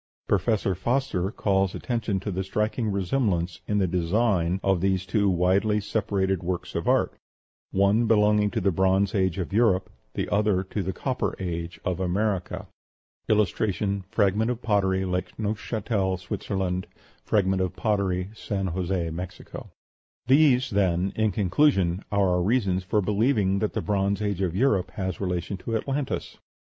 Professor Foster calls attention to the striking resemblance in the designs of these two widely separated works of art, one belonging to the Bronze Age of Europe, the other to the Copper Age of America. +++| FRAGMENT OF POTTERY, LAKE | FRAGMENT OF POTTERY, SAN JOSÉ, || NEUFCHATEL, SWITZERLAND. | MEXICO. |+++ These, then, in conclusion, are our reasons for believing that the Bronze Age of Europe has relation to Atlantis: 1.